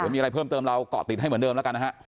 มีอะไรเพิ่มเติมเราเกาะติดให้เหมือนเดิมแล้วกันนะฮะ